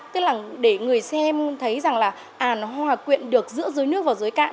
tức là để người xem thấy rằng là à nó hòa quyện được giữa dưới nước và dưới cạn